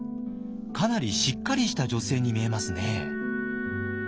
かなりしっかりした女性に見えますね。